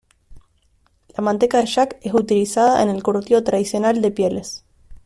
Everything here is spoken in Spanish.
La manteca de yak es utilizada en el curtido tradicional de pieles.